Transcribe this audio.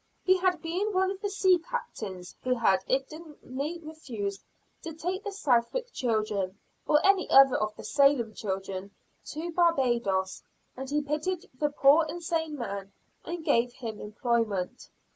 He had been one of the sea captains who had indignantly refused to take the Southwick children, or any other of the Salem children, to Barbados; and he pitied the poor insane man, and gave him employment.